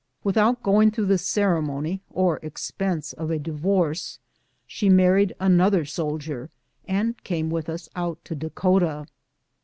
Without going througli the ceremony or ex pense of a divorce, she married another soldier, and had come with ns out to Dakota.